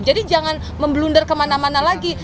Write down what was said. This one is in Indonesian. jangan membelunder kemana mana lagi